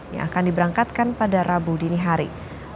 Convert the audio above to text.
yang akan diberangkatkan pada rabu dini hari